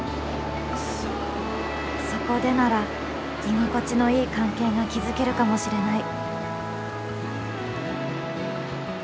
そこでなら居心地のいい関係が築けるかもしれない。